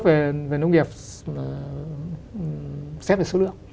về nông nghiệp xét về số lượng